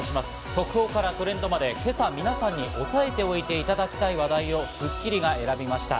速報からトレンドまで、今朝皆さんにおさえておいていただきたい話題を『スッキリ』が選びました。